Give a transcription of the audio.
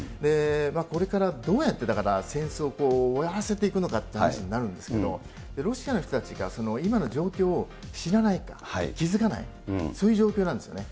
これからどうやって、だから、戦争をこう終わらせていくのかという話になるんですけれども、ロシアの人たちが今の状況を知らない、気付かない、そういう状況なんですよね。